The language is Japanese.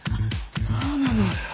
そうなの？